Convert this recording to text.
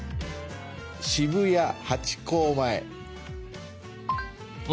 渋谷ハチ公前。